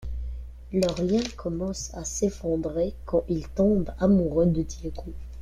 Leur lien commence à s'effondrer quand ils tombent amoureux de Diego.